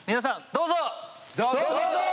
どうぞ！